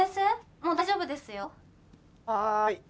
もう大丈夫ですよ。